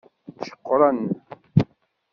Ceqqren.